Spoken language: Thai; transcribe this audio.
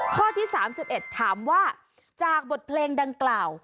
ข้อที่๓๑ถามว่าจากบทเพลงดังกล่าว